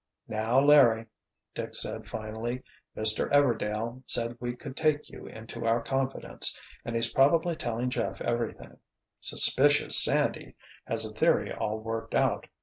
"Now, Larry," Dick said, finally, "Mr. 'Everdail' said we could take you into our confidence, and he's probably telling Jeff everything. Suspicious Sandy has a theory all worked out.